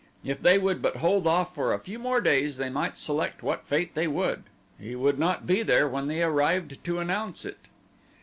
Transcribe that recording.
If they would but hold off for a few more days they might select what fate they would he would not be there when they arrived to announce it.